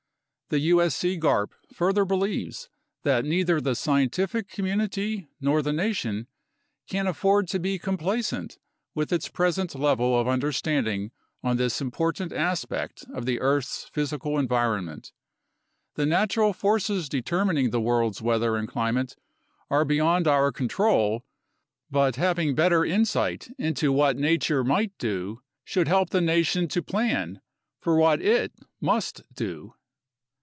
The usc garp further believes that neither the scientific community nor the nation can afford to be complacent with its present level of understanding on this important aspect of the earth's physical environ ment. The natural forces determining the world's weather and climate are beyond our control, but having better insight into what nature might do should help the nation to plan for what it must do.